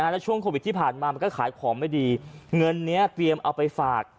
แล้วช่วงโควิดที่ผ่านมามันก็ขายของไม่ดีเงินนี้เตรียมเอาไปฝาก